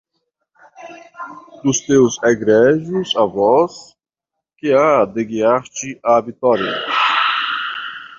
Dos teus egrégios avós, que há de guiar-te à vitória!